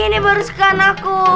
ini baru suka anakku